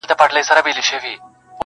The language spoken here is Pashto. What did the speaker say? په لسګونو موږکان دلته اوسېږي-